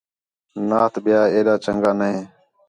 نات ٻِیا ایݙا چَنڳا نے